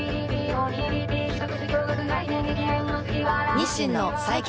日清の最強